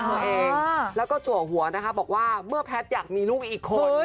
ตัวเองแล้วก็จัวหัวนะคะบอกว่าเมื่อแพทย์อยากมีลูกอีกคน